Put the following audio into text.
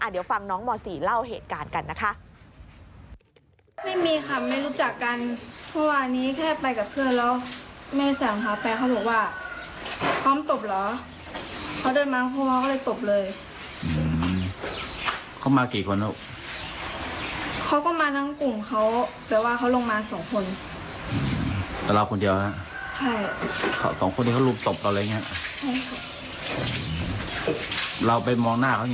เดี๋ยวฟังน้องม๔เล่าเหตุการณ์กันนะคะ